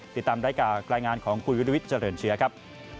ติดตามได้จากรายงานของคุณวิรวิทย์เจริญเชื้อครับ